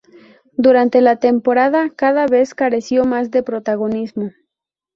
Durante la temporada, cada vez careció más de protagonismo.